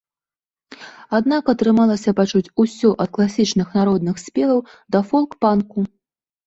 Аднак, атрымалася пачуць усё ад класічных народных спеваў да фолк-панку.